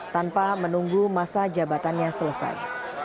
tanpa menunggu masa jabatannya selesai